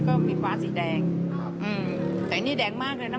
ก็เห็นตั้งแต่เมื่อวานแล้วนะ